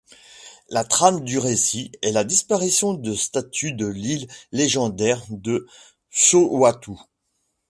La trame du récit est la disparition de statues de l'île légendaire de Saumwatu.